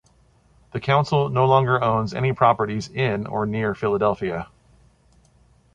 The council no longer owns any properties in or near Philadelphia.